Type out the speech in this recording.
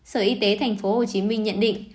sở y tế tp hcm nhận định